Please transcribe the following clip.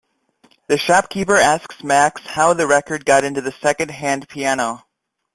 The shopkeeper asks Max how the record got into the secondhand piano.